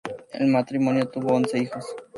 El matrimonio tuvo once hijos.